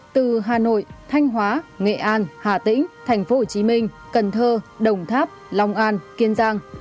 từ hà nội thanh hóa nghệ an hà tĩnh tp hcm cần thơ đồng tháp long an kiên giang